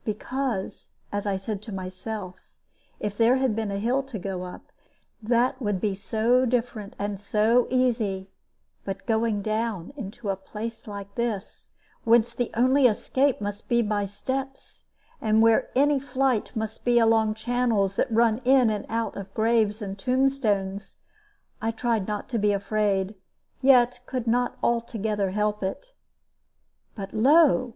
Because (as I said to myself) if there had been a hill to go up, that would be so different and so easy; but going down into a place like this, whence the only escape must be by steps, and where any flight must be along channels that run in and out of graves and tombstones, I tried not to be afraid, yet could not altogether help it. But lo!